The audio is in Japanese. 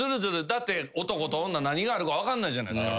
だって男と女何があるか分かんないじゃないですか。